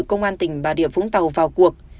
công an tỉnh bà rịa vũng tàu vào cuộc